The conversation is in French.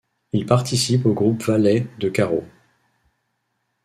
Il participe au groupe Valet de Carreau.